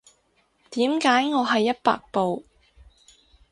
點解我係一百步